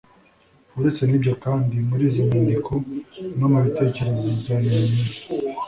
uretse n'ibyo kandi, muri izo nyandiko no mu bitekerezo bya nehemiya